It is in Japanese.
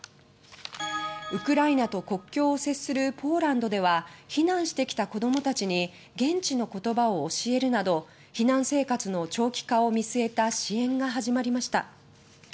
ウクライナと国境を接するポーランドでは避難してきた子どもたちに現地の言葉を教えるなど避難生活の長期化を見据えた支援が始まりました。